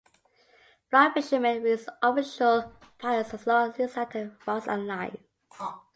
Fly fishermen use artificial flies as a lure and use lighter rods and lines.